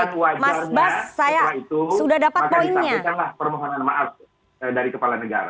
dan wajarnya setelah itu maka disampaikan permohonan maaf dari kepala negara